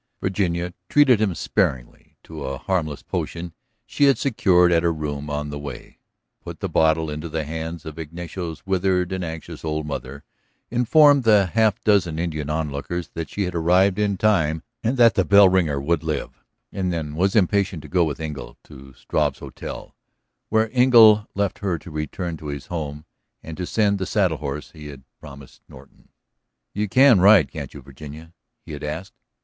Virginia treated him sparingly to a harmless potion she had secured at her room on the way, put the bottle into the hands of Ignacio's withered and anxious old mother, informed the half dozen Indian onlookers that she had arrived in time and that the bell ringer would live, and then was impatient to go with Engle to Struve's hotel. Here Engle left her to return to his home and to send the saddle horse he had promised Norton. "You can ride, can't you, Virginia?" he had asked.